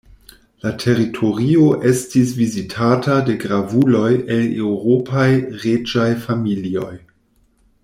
La teritorio estis vizitata de gravuloj el eŭropaj reĝaj familioj.